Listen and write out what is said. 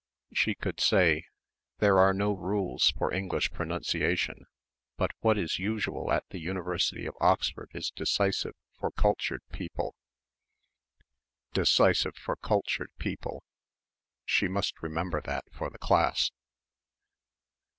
She could say, "There are no rules for English pronunciation, but what is usual at the University of Oxford is decisive for cultured people" "decisive for cultured people." She must remember that for the class.